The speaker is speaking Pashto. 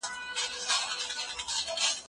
دوی دواړو په ټولنیزو چارو خبري کړي دي.